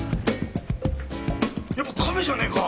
やっぱ亀じゃねえか！